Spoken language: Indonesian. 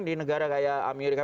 di negara kayak amerika